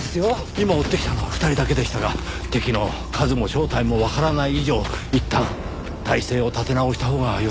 今追ってきたのは２人だけでしたが敵の数も正体もわからない以上いったん態勢を立て直したほうがよさそうですねぇ。